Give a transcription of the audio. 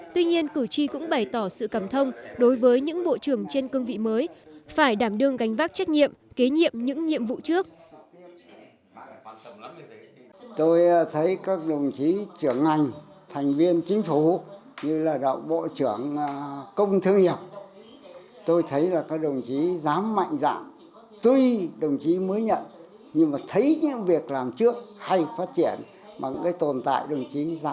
tuy nhiên cử tri cũng bày tỏ sự cảm thông đối với những bộ trưởng trên cương vị mới phải đảm đương gánh vác trách nhiệm kế nhiệm những nhiệm vụ trước